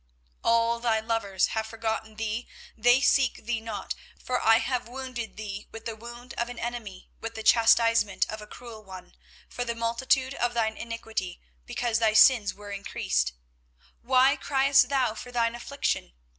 24:030:014 All thy lovers have forgotten thee; they seek thee not; for I have wounded thee with the wound of an enemy, with the chastisement of a cruel one, for the multitude of thine iniquity; because thy sins were increased. 24:030:015 Why criest thou for thine affliction?